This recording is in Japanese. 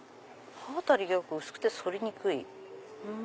「刃あたりが良く薄くて反りにくい」。